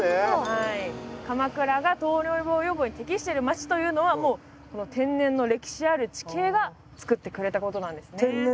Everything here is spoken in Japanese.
鎌倉が糖尿病予防に適している町というのはもうこの天然の歴史ある地形が作ってくれたことなんですね。